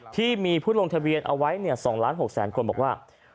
ที่มีผู้ลงทะเบียนเอาไว้๒ล้าน๖แสนคนบอกว่า